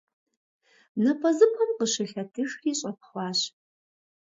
НапӀэзыпӀэм къыщылъэтыжри, щӀэпхъуащ.